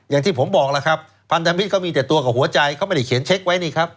อย่างที่ผมบอกแล้วครับพันธมิตรเขามีแต่ตัวกับหัวใจเขาไม่ได้เขียนเช็คไว้นี่ครับ